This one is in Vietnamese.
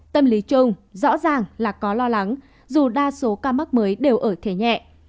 tâm lý chung rõ ràng là có lo lắng dù đa số ca mắc mới đều ở thế nhẹ